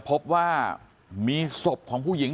พบว่ามีศพของผู้หญิง